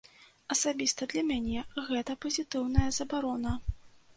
Асабіста для мяне гэта пазітыўная забарона.